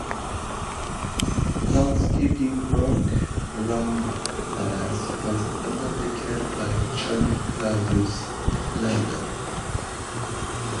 Landscaping work around the Palace was undertaken by John Claudius Loudon.